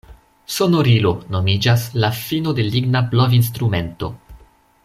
Sonorilo nomiĝas la fino de ligna blovinstrumento.